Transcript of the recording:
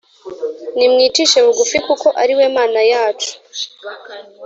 Nimwicishe bugufi kuko ariwe mana yacu